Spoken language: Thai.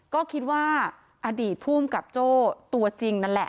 ก็คิดว่าอดีตภูมิกับโจ้ตัวจริงนั่นแหละ